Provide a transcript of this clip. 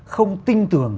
không tin tưởng